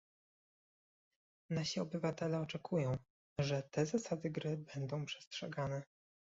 Nasi obywatele oczekują, że te zasady gry będą przestrzegane